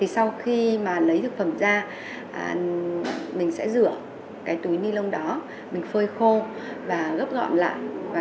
sau khi lấy thực phẩm ra mình sẽ rửa túi ni lông đó phơi khô và gấp gọn lại